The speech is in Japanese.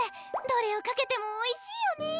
どれをかけてもおいしいよね！